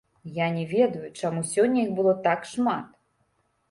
Я не ведаю, чаму сёння іх было так шмат.